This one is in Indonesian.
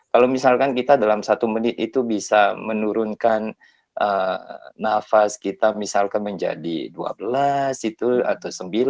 kalau misalkan kita dalam satu menit itu bisa menurunkan nafas kita misalkan menjadi dua belas itu atau sembilan